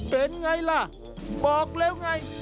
เป็นไงล่ะบอกแล้วไง